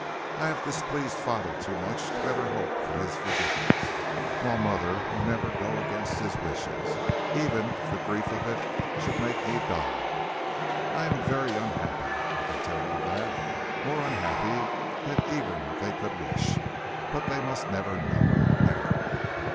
I have displeased father too much to ever hope for his forgiveness, while mother will never go against his wishes, even if the grief of it should make me die. I am very unhappy, I can tell you that, more unhappy than even they could wish, but they must never know it, never.